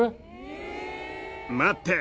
待って。